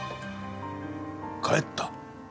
帰った？